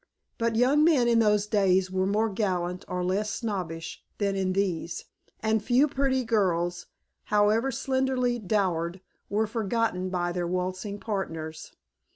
But young men in those days were more gallant or less snobbish than in these, and few pretty girls, however slenderly dowered, were forgotten by their waltzing partners.